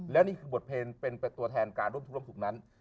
และนี่คือบทเพลงเป็นตัวแทนการร่วมทุกข์ร่วมสุขนั้น